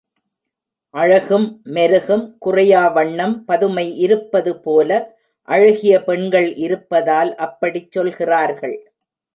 அழகும் மெருகும் குறையா வண்ணம் பதுமை இருப்பது போல, அழகிய பெண்கள் இருப்பதால் அப்படிச் சொல்கிறார்கள்.